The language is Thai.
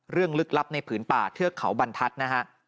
เรื่องลึกลับในผืนป่าเทือกเขาบรรทัศน์